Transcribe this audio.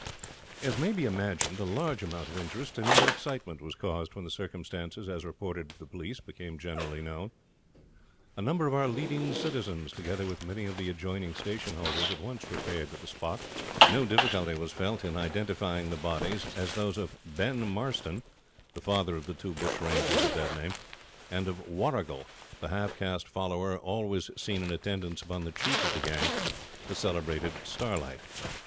As may be imagined, a large amount of interest, and even excitement, was caused when the circumstances, as reported to the police, became generally known. A number of our leading citizens, together with many of the adjoining station holders, at once repaired to the spot. No difficulty was felt in identifying the bodies as those of Ben Marston, the father of the two bush rangers of that name, and of Warrigal, the half caste follower always seen in attendance upon the chief of the gang, the celebrated Starlight.